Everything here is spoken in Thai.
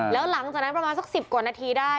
แล้วหลังจากนั้นประมาณสัก๑๐กว่านาทีได้